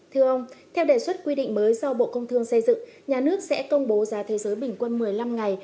thưa ông theo đề xuất quy định mới do bộ công thương xây dựng nhà nước sẽ công bố giá thế giới bình quân một mươi năm ngày